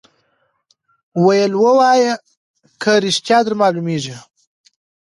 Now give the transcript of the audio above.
ویل وایه که ریشتیا در معلومیږي